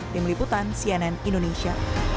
di meliputan cnn indonesia